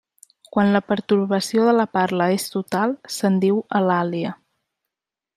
Quan la pertorbació de la parla és total, se'n diu alàlia.